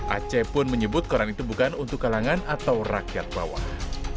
aceh pun menyebut koran itu bukan untuk kalangan atau rakyat bawah